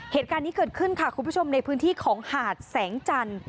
เหตุการณ์นี้เกิดขึ้นค่ะคุณผู้ชมในพื้นที่ของหาดแสงจันทร์